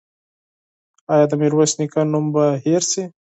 ایا د میرویس نیکه نوم به هېر شي؟